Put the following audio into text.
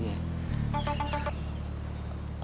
boleh hari ini